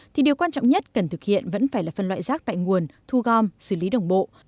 thì điều quan trọng nhất cần thực hiện vẫn phải là phân loại rác tại nguồn thu gom xử lý đồng bộ